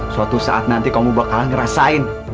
suatu saat nanti kamu bakalan ngerasain